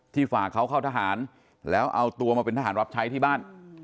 ฝากเขาเข้าทหารแล้วเอาตัวมาเป็นทหารรับใช้ที่บ้าน